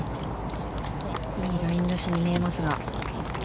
いいライン出しに見えますが。